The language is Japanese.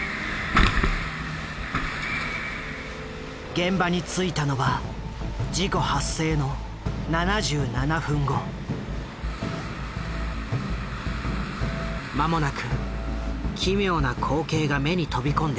現場に着いたのは間もなく奇妙な光景が目に飛び込んできた。